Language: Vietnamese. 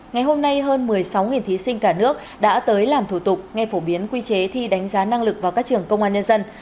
ngày hôm nay hơn một mươi sáu thí sinh cả nước đã tới làm thủ tục nghe phổ biến quy chế thi đánh giá năng lực vào các trường công an nhân dân